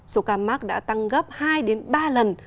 số ca mắc đã tăng gấp hai ba lần